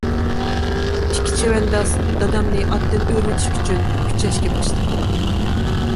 ئىككى چەۋەنداز دادامنى ئاتتىن ئۆرۈۋېتىش ئۈچۈن كۈچەشكە باشلىدى.